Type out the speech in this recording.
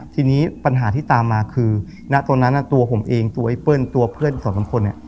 ทีนี้ปัญหาที่ตามมาคือณตอนนั้นตัวผมเองตัวไอ้เปิ้ลตัวเพื่อนอีกสองสามคนเนี่ย